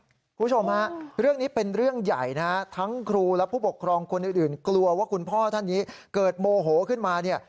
คุณผู้ชมฮะเรื่องนี้เป็นเรื่องใหญ่นะฮะทั้งครูและผู้ปกครองคนอื่นกลัวว่าคุณพ่อท่านนี้เกิดโมโหขึ้นมาเนี่ย